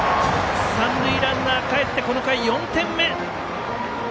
三塁ランナーかえってこの回４点目。